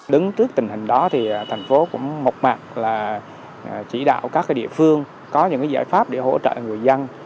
đứng trước tình hình đó thì thành phố cũng một mặt là chỉ đạo các địa phương có những giải pháp để hỗ trợ người dân